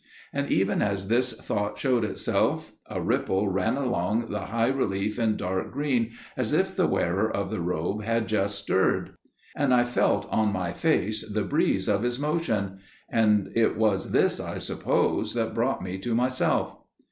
And even as this thought showed itself a ripple ran along the high relief in dark green, as if the wearer of the robe had just stirred. And I felt on my face the breeze of His motion. And it was this I suppose that brought me to myself.